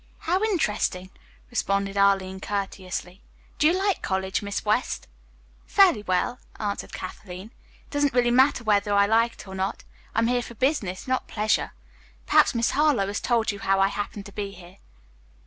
"How interesting," responded Arline courteously. "Do you like college, Miss West?" "Fairly well," answered Kathleen. "It doesn't really matter whether I like it or not. I am here for business, not pleasure. Perhaps Miss Harlowe has told you how I happened to be here."